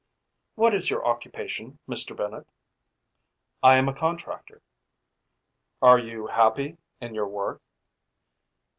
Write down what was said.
"What is your occupation, Mr. Bennett?" "I am a contractor." "Are you happy in your work?"